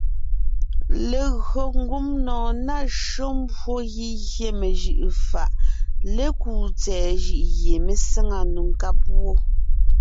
Legÿo ngumnɔɔn ná shÿó mbwó gígyé mejʉʼʉ fàʼ lékúu tsɛ̀ɛ jʉʼ gie mé sáŋa nò nkáb wó.